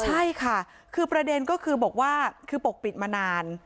ใช่ค่ะคือประเด็นก็คือบอกว่าคือปกปิดมานาน